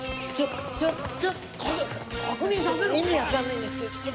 意味わかんないんですけど！